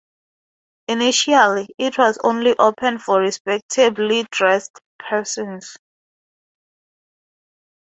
Initially, it was only open for "respectably dressed persons".